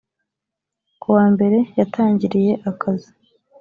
ku wa mbere yatangiriye akazi